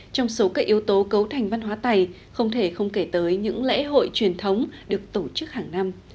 trong số các yếu tố cấu thành văn hóa tày không thể không kể tới những lễ hội truyền thống được tổ chức hàng năm